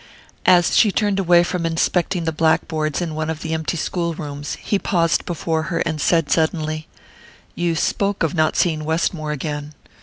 As she turned away from inspecting the blackboards in one of the empty school rooms he paused before her and said suddenly: "You spoke of not seeing Westmore again.